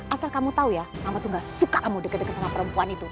asal kamu tahu ya kamu tuh gak suka kamu deket deket sama perempuan itu